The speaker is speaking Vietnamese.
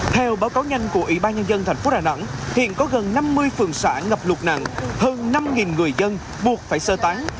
theo báo cáo nhanh của ủy ban nhân dân tp đà nẵng hiện có gần năm mươi phường xã ngập lụt nặng hơn năm người dân buộc phải sơ tán